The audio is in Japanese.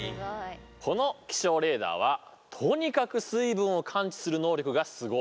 この気象レーダーはとにかく水分を感知する能力がすごい。